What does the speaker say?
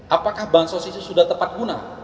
apakah bansos itu sudah tepat guna